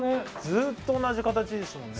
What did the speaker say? ずっと同じ形ですもんね。